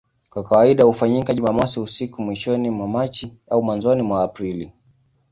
Kwa kawaida hufanyika Jumamosi usiku mwishoni mwa Machi au mwanzoni mwa Aprili.